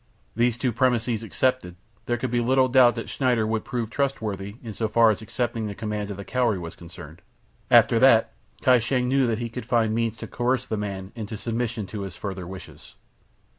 These two premises accepted there could be little doubt that Schneider would prove trustworthy in so far as accepting the command of the Cowrie was concerned; after that Kai Shang knew that he could find means to coerce the man into submission to his further wishes.